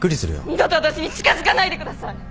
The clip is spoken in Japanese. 二度と私に近づかないでください！